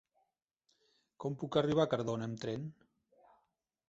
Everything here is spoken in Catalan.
Com puc arribar a Cardona amb tren?